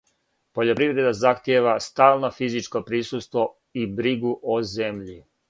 Пољопривреда захтијева стално физичко присуство и бригу о земљи.